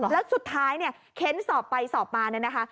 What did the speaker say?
แล้วสุดท้ายเนี่ยเค้นสอบไปสอบมาเนี่ยนะคะ